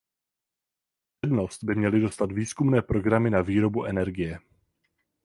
Přednost by měly dostat výzkumné programy na výrobu energie.